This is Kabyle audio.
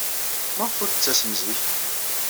Maɣef ur d-tettasem zik?